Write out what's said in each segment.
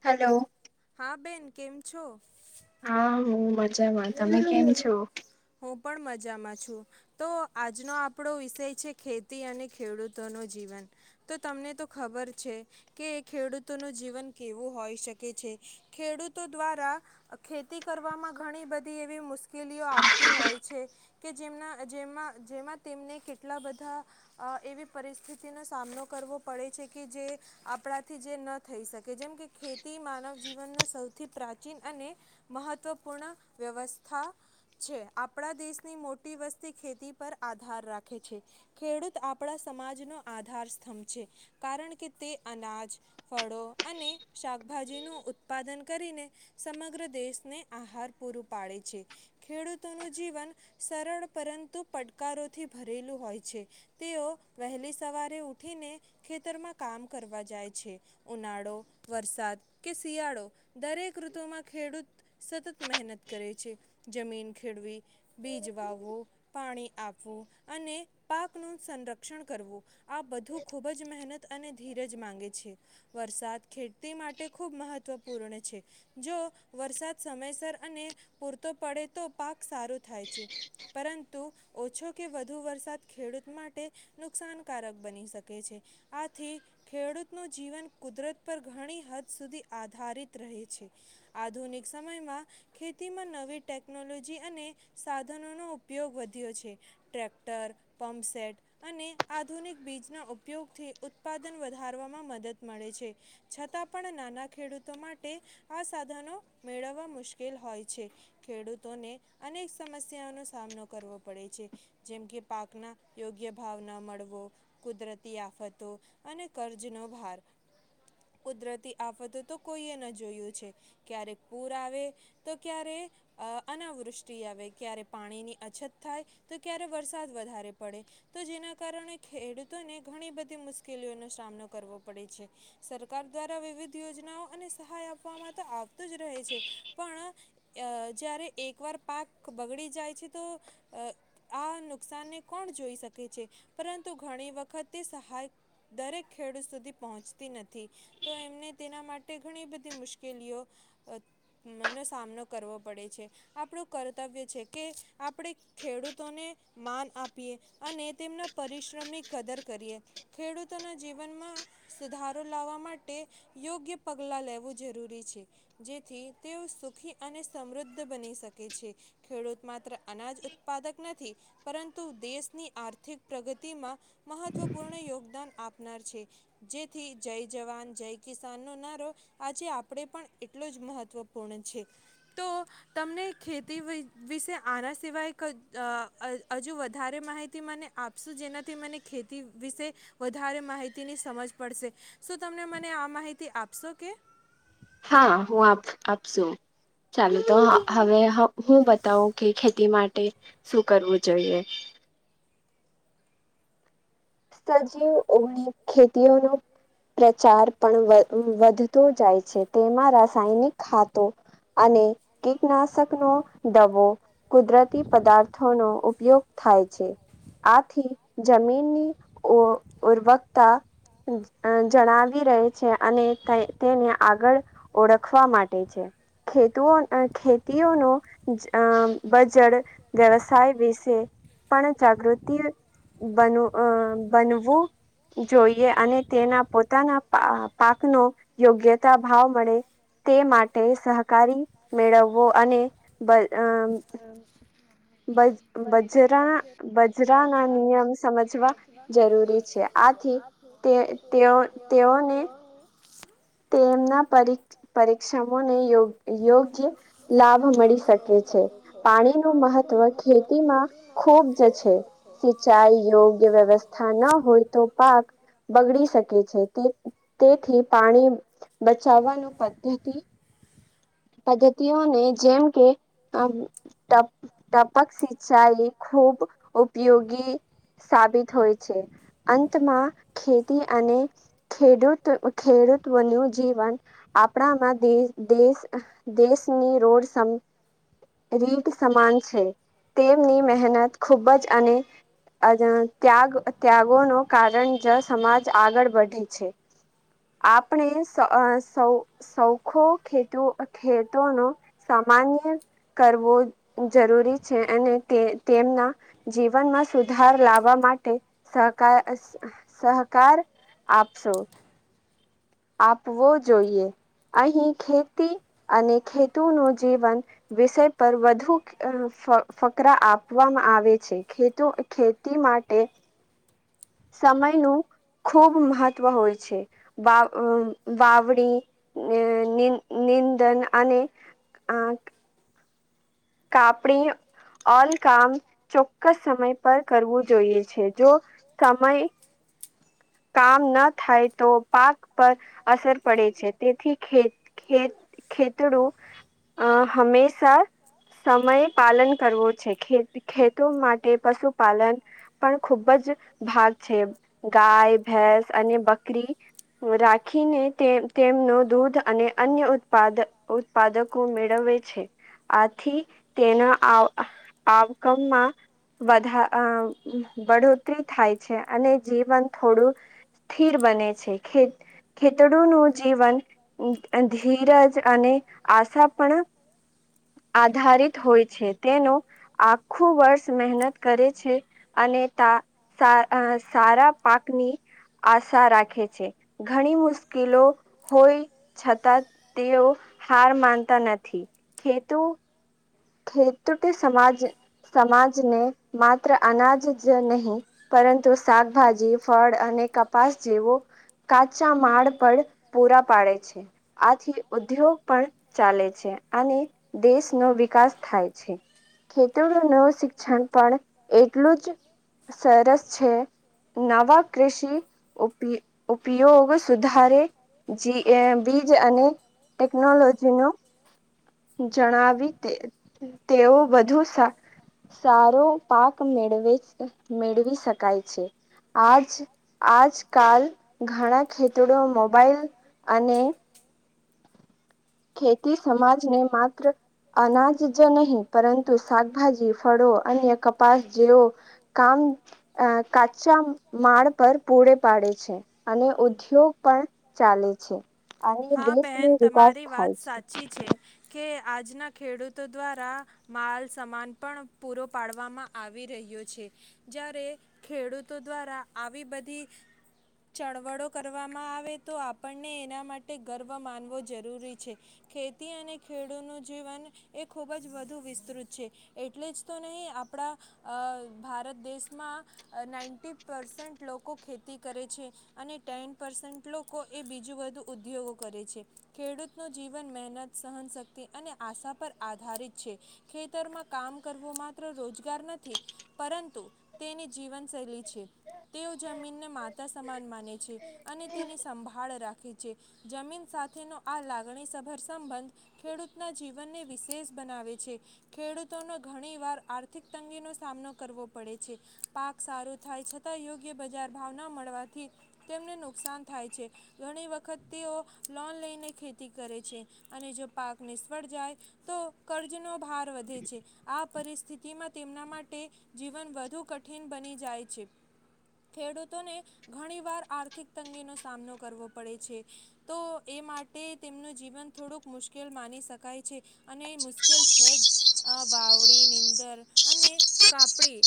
Hello. હા બેન, કેમ છો? હા હું મજામાં, તમે કેમ છો? હું પણ મજામાં છું. તો આજનો આપણો વિષય છે ખેતી અને ખેડૂતોનું જીવન. તો તમને તો ખબર છે. કે ખેડૂતોનું જીવન કેવું હોય શકે છે ખેડૂતો દ્વારા અ ખેતી કરવામાં ઘણી બધી એવી મુશ્કે કેલીઓ આવતી હોય છે કે જેમનાં જેમાં જેમાં તેમને કેટલા બધાં એવી પરિસ્થિતિનો સામનો કરવો પડે છે કે જે આપણાથી જે ન થઈ શકે જેમ કે ખેતી માનવ જીવનનું સૌથી પ્રાચીન અને મહત્ત્વપૂર્ણ વ્યવસ્થા છે આપણા દેશની મોટી વસ્તી ખેતી પર આધાર રાખે છે. ખેડૂત આપણા સમાજનો આધાર સ્તંભ છે કારણ કે તે અનાજ ફળો અને શાકભાજીનું ઉત્પાદન કરીને સમગ્ર દેશને આહાર પૂરું પાડે છે. ખેડૂતોનું જીવન સરળ પરંતુ પટકારોથી ભરેલું હોય છે. તેઓ વહેલી સવારે ઉઠીને ખેતરમાં કામ કરવા જાય છે. ઉનાળો, વરસાદ કે શિયાળો દરેક ઋતુમાં ખેડૂત સતત મહેનત કરે છે. જમીન ખેડવી, બીજ વાવવું, પાણી આપવું. અને પાકનું સંરક્ષણ કરવું. આ બધું ખૂબ જ મહેનત અને ધીરજ માંગે છે. વરસાદ ખેતી માટે ખૂબ મહત્વપૂર્ણ છે. જો વરસાદ સમયસર અને પૂરતો પડે તો પાક સારો થાય છે. પરંતુ ઓછો કે વધુ વરસાદ ખેડૂત માટે નુકસાનકારક બની શકે છે આથી ખેડૂતનું જીવન કુદરત પર ઘણી હદ સુધી આધારિત રહે છે. આધુનિક સમયમાં ખેતીમાં નવી ટેકનોલોજી અને સાધનોનો ઉપયોગ વધ્યો છે. ટ્રેક્ટર, પંપસેેટ અને આધુનિક બીજના ઉપયોગથી ઉત્પાદન વધારવામાં મદદ મળે છે. છતાં પણ નાનાં ખેડૂતો માટે આ સાધનો મેળવવા મુશ્કેલ હોય છે. ખેડૂતોને અનેક સમસ્યાઓનો સામનો કરવો પડે છે. જેમ કે પાકના યોગ્ય ભાવ ના મળવો કુદરતી આફતો અને કર્જનો ભાર કુદરતી આફતો તો કોઈએ ન જોયુ છે. ક્યારે પૂર આવે તો ક્યારે અનાવૃષ્ટિ આવે ક્યારે પાણીની અછત થાય તો ક્યારે વરસાદ વધારે પડે તો જેના કારણે ખેડૂતોને ઘણી બધી મુશ્કેલીઓનો સામનો કરવો પડે છે. સરકાર દ્વારા વિવિધ યોજનાઓ અને સહાય આપવામાં તો આવતો જ રહે છે. પણ જ્યારે એકવાર પાક બગડી જાય છે, તો આ નુકસાનને કોણ જોઈ શકે છે પરંતુ ઘણી વખત તે સહાય દરેક ખેડૂત સુધી પહોંચતી નથી તો એમને તેના માટે ઘણી બધી મુશ્કેલીઓ નો સામનો કરવો પડ પડે છે આપણું કર્તવ્ય છે કે આપણે ખેડૂતોને માન આપીએ અને તેમના પરિશ્રમની કદર કરીએ ખેડૂતોના જીવનમાં સુધારો લાવવા માટે યોગ્ય પગલા લેવું જરૂરી છે જેથી તેઓ સુખી અને સમૃદ્ધ બની શકે છે ખેડૂત માત્ર અનાજ ઉત્પાદક નથી. પરંતુ દેશની આર્થિક પ્રગતિમાં મહત્વપૂર્ણ યોગદાન આપનાર છે. જેથી જય જવાન જય કિસાન નો નારો આજે આપણેે પણ એટલો જ મહત્વપૂર્ણ છે. તમને ખેતી વિશે આના સિવાય ક હજુ વધારે માહિતી મને આપ જેનાથી મને ખેતી વિશે વધારે માહિતીની સમજ પડશે શું તમને મને આ માહિતી આપશો કે હા હુ, આપ આપશું ચાલુ તો હવે હુ, બતાવું કે ખેતી માટે શું કરવું જોઈએ સજીવ ઓગણી ખેતીઓનો પ્રચાર પણ વધતો જાય છે તેમાં રાસાયણિક ખાતો અને કીટનાશકનોો દવો કુદરતી પદાર્થોનો ઉપયોગ થાય છે, આથી જમીનની ઓ વક્તા જણાવી રહી છે, અને તેને આગળ ઓળખવા માટે છે. ખેતુઓ ખેતીઓનો બજળ વ્યવસાય વિશે પણ જાગૃતિ બન બનવું જોઈએ અને તેના પોતાના પાકનો યોગ્યતા ભાવ મળે તે માટે સહકારી મેળવવો અને હ બજરાના બજરાના નિયમ સમજવા જરૂરી છે આથી પ્યો પ્યોર તેમના પરરીક્ષમોને યોગ્ય યોગ્ય લાભ મળી શકે છે પાણી નું મહત્વ ખેતીમાં ખૂબ જ છે સિંચાઈ યોગ્ય વ્યવસ્થા ના હોય, તો પાક બગડી શકે છે, તે તેથી પાણી બચાવવાનું પદ્ધતિ પદ્ધતિઓને જેમ કે આ ટ ટપક શિચાઈ એ ખૂબ ઉપયોગી સાબિત હોય છે, અંતમાં ખેતી અને ખેડૂત ખેડૂતનું જીવન આપણામાં દ દેશ દેશની રોડ સ રીટ સમાન છે, તેમની મહેનત ખુબ જ અને ત્યાગ ત્યાગો ન કારણ જ સમાજ આગળ વધી છે. આપણે સ સૌખો ખેત ખેતો ન સામાન્ય કરવો જરૂરી છે અને તે તેમના જીવનમાં સુધાર લાવવા માટે સહકાર સહકાર આપશો આપવો જોઈએ અહી ખેતી અને ખેતુ ન જીવન વિષય પર વધુ ફકરા આપવામાં આવે છે, ખે તે માટે સમયનું ખૂબ મહત્વ હોય છે. વા વાવણી નિદન અને આ કાપડી ઓલ કામ ચોક્કસ સમય પર કરવું જોઈએ છે જો સમ કામ ન થાય તો પાક પર અસર પડે છે. તેથી ખેત ખેત ખેતડું અ હંમેશા સમયે પાલન કરવું છેે, ખેતો માટે પશુપાલન પણ ખુબ જ ભાગ છે, ગાય ભેંસ અને બકરી રાખીને તેમનો દૂધ અને અન્ય ઉત્પાદ ઉત્પાદકો મેળવેવે છે. આથી તેના આવકમમા વધા અ વળોતરી થાય છે, અને જીવન થોડુંક સ્થિર બને છે, ખે ખેતડુનુ જીવન ધીરજ અને આશા પણ આધારિત હોય છે તેનો આખું વર્ષ મહેનત કરે છે. અને ત સારા પાકની આશા રાખે છે. ઘણી મુશ્કેલો હોય. છતાં તેઓ હાર માનતા નથી ખેતુ ખેતૂ સમાજ સમાજને માત્ર અનાજ જનહી પરંતુ શાકભાજી ફળ અને કપાસ જેવો કાચા માળ પર પૂરા પાડે છે. આથી ઉદ્યોગ પણ ચાલે છે, અને દેશનો વિકાસ થાય છે ખેત નવું શિક્ષણ પણ એટલું જ સરસ છે. નવા કૃષિ ઉપ ઉપયોગ સુધારે જી બીજ અને ટેકનોલોજી ન જણાવી તે તેઓ બધુ સારો પાક મેળવે મેળવી શકાય છે, આજ આજકાલ ઘણા ખેતરો મોબાઈલ અને ખેતી સમાજને માત્ર અનાજ જ નહીં પરંતુ શાકભાજી ફળો અન્ય કપાસ જેવો કામ અ કાચચા માળ પર પૂરે પાડે છે અને ઉદ્યોગ પણ ચાલે છે અને દેશ ન વિકાસ છે, કે આજના ખેડૂતો દ્વારા માલ સમાન પણ પૂરો પાડવામાં આવી રહ્યો છે. જારે ખેડૂતો દ્વારા આવી બધી ચળવળો કરવામાં આવે તો આપણને એના માટે માટે ગર્વ માનવો જરૂરી છે. ખેતી અને ખેડૂતનું જીવન એ ખુબ જ વધુ વિસ્તૃત છે. એટલે જ તો નહીં આપડા અ ભારત દેશમાં નાઇન્ટી પરસેન્ટ લોકો ખેતી કરે છે. અને ટેન પર્સેન્ટ લોકો એ બીજું બધુ ઉદ્યોગો કરે છે ખેડૂતનું જીવન મહેનત સહનશક્તિ અને આશા પર આધારિત છે. ખેતરમાં કામ કરવો માત્ર રોજગાર નથી પરંતુ તેની જીવનશૈલી છે. તેઓ જમીનને માતા સમાન માને છે અને તેની સંભાળ રાખે છે જમીન સાથેનો આ લાગણી સભર સંબંધ ખેડૂતના જીવનને વિશેષ બનાવે છે. ખેડૂતોનો ઘણી વાર આર્થિક તંગીનો સામનો કરવો પડે છે. પાક સારો થાય છતાં યોગ્ય બજાર ભાવ ન મળવાથી તેમને નુકસાન થાય છે ઘણી વખ ખત તેઓ લોન લઈને ખેતી કરે છે અને જો પાક નિષ્ફળ જાય તો કર્જનો ભાર વધે છે આપ પરિસ્થિતિમાં તેમના માટે જીવન વધુ કઠિન બની જાય છે. ખેડૂતોને ઘણીવાર આર્થિક તંગીનો સામનો કરવો પડે છે તો એ માટે તેમનું જીવન થોડુંક મુશ્કેલ માની શકાય છે અને મુશ્કેલ છે જ અ વાવણી નીંદર અને કાપડી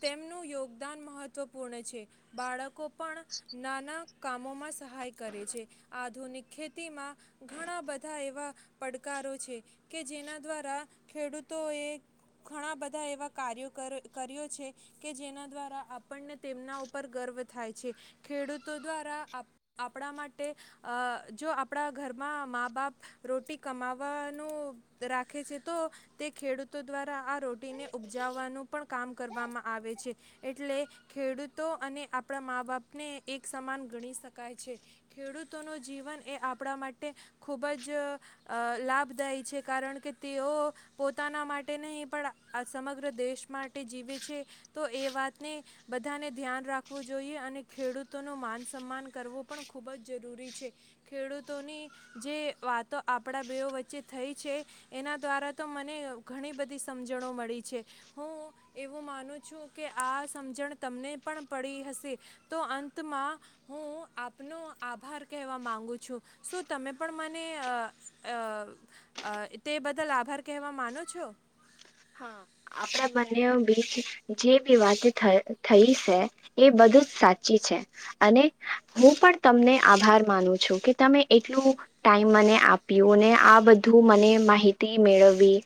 તેમનું યોગદાન મહત્વપૂર્ણ છે બાળકો પણ નાના કામોમાં સહાય કરે છે. આધુનિક ખેતીમાં ઘણા બધા એવા પડકારો છે કે જેના દ્વારા ખેડૂતોએ ઘણા બધા એવા કાર્યો ક-કર્યો છે કે જેના દ્વારા આ પણને તેમના ઉપર ગર્વ થાય છે ખેડૂતો દ્વારા આપ આપડા મા તે અ જો આપડા ઘરમાં મા બાપ રોટી કમાવાનું રાખે છે તો તે ખેડૂતો દ્વારા આ રોટીને ઉપજાવવાનું પણ કામ કરવામાં આવે છે એટલે ખેડૂતો અને આપડા મા બાપને એક સમાન ગણી શકાય છે. ખેડૂતોનું જીવન એ આપડા માટે ખૂબ જ અ લાભદાયી છે કારણ કે તેઓ પોતાના માટે નહીં પણ સમગ્ર દેશ માટે જીવે છે તો એ વાતને બધાને ધ્યાન રાખવું જોઈએ અને ખેડૂતો નો માન સન્માન કરવો પણ ખૂબ જ જરૂરી છે ખેડૂતોની જે વાતો આપડા બેયો વચ્ચે થઈ છે એના દ્વારા તો મને ઘણી બધી સમજણો મળી છે. હું એવું માનું છું કે આ સમજણ તમને પણ પડી હશે. તો અંતમાં હું આ નો આભાર કહેવા માંગુ છું શો તમે પણ મનેઅ અ અ તે બદલ આભાર કહેવા માનો છો હા આપડા બંનેઓ બીચ જે બી વાત થય થઈ છે. એ બધું જ સાચી છે. અને હું પણ તમને આભાર માનું છું કે તમે એટલું ટાઈમ મને આપ્યું ને આ બધું મને માહિતી મેળવી